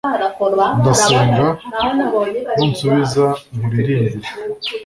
ndasenga nunsubiza nkuririmbire